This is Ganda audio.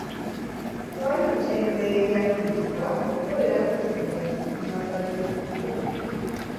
Tewali mutembeeyi akkirizibwa kukolera bizinensi ku mabbali g'ekkubo.